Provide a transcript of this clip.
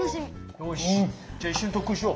よしじゃあ一緒に特訓しよう！